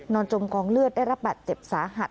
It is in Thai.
จมกองเลือดได้รับบาดเจ็บสาหัส